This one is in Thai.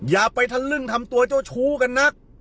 อย่าไปทะลึ่งทำตัวเจ้าชู้กันนัก